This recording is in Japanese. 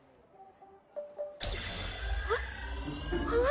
えっ？